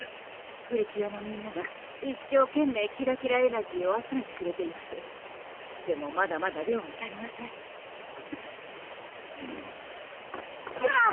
プリキュアのみんなが一生懸命キラキラエナジーを集めてくれていますでもまだまだ量が足りませんうんソラ！